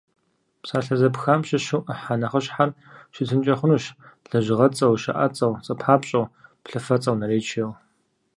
Псалъэ зэпхам щыщу ӏыхьэ нэхъыщхьэр щытынкӏэ хъунущ лэжьыгъэцӏэу, щыӏэцӏэу, цӏэпапщӏэу, плъыфэцӏэу, наречиеу.